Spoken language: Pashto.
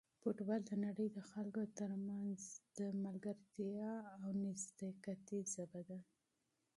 فوټبال د نړۍ د خلکو ترمنځ د دوستۍ او صمیمیت ژبه ده.